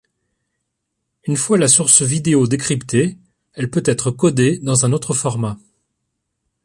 Une fois la source vidéo décryptée, elle peut être codée dans un autre format.